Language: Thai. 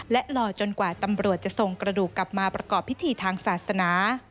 และรอจนกว่าตำรวจจะส่งกระดูกกลับมาประกอบพิธีทางศาสนา